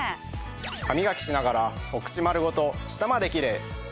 ハミガキしながらお口丸ごと舌までキレイ！